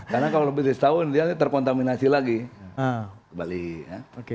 karena kalau lebih dari setahun dia nanti terkontaminasi lagi ke bali ya